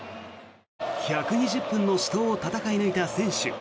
１２０分の死闘を戦い抜いた選手。